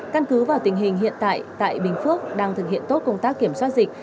căn cứ vào tình hình hiện tại tại bình phước đang thực hiện tốt công tác kiểm soát dịch